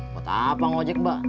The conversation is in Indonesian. buat apa ngojek mbak